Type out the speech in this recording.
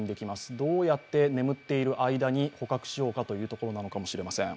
どうやって眠ってる間に捕獲しようかというところかもしれません。